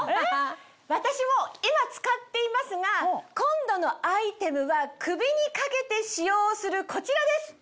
私も今使っていますが今度のアイテムは首に掛けて使用するこちらです！